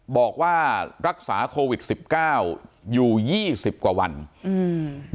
บอกว่ารักษาโควิดสิบเก้าอยู่ยี่สิบกว่าวันอืม